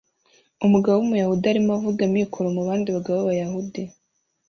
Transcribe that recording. Umugabo wumuyahudi arimo avuga mikoro mu bandi bagabo b'Abayahudi